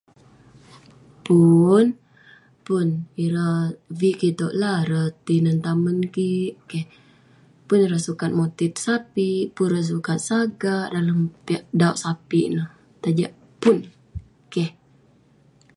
Pun, pun. Ireh vik kik itouk la, ireh tinen tamen kik. Keh. Pun ireh sukat motit sapik, pun ireh sukat sagak dalem piak dauk sapik ineh. Tajak pun. Keh.